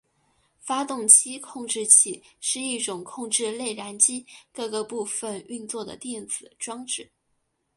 发动机控制器是一种控制内燃机各个部分运作的电子装置。